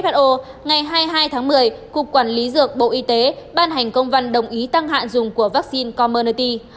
trước đó các ngày hai mươi hai tháng một mươi cục quản lý dược bộ y tế ban hành công văn đồng ý tăng hạn dùng của vaccine comirnaty